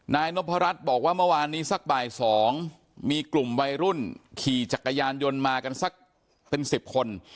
นายนพรัชบอกว่าเมื่อวานนี้สักบ่าย๒มีกลุ่มวัยรุ่นขี่จักรยานยนต์มากันสักเป็น๑๐คน